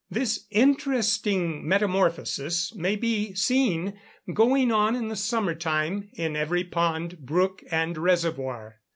_] This interesting metamorphosis may be seen going on in the summer time, in every pond, brook, and reservoir.